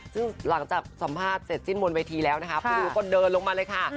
ซึ่งหลังจากสัมภาษณ์เสร็จสิ้นบนเวทีแล้วนะคะผู้ดูก็เดินลงมาเลยค่ะ